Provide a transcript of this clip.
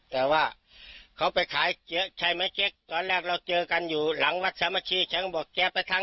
แต่ว่าเขาไปขายเจ๊ใช่ไหมเจ๊ก่อนแรกเราเจอกันอยู่หลังวัดศาสมชี